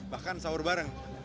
makan sahur bareng